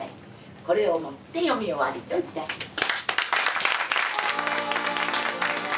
これをもって読み終わりと致します。